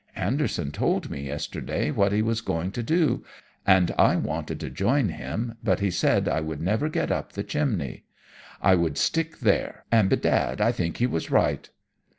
Anderson told me yesterday what he was going to do, and I wanted to join him, but he said I would never get up the chimney, I would stick there. And, bedad, I think he was right.'